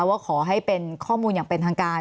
ว่าขอให้เป็นข้อมูลอย่างเป็นทางการ